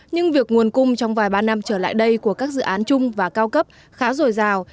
nhưng việc nguồn cung trong vài ba năm trở lại đây của các dự án chung và cao cấp khá dồi dào